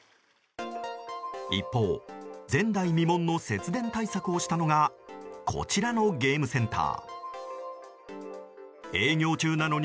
一方、前代未聞の節電対策をしたのがこちらのゲームセンター。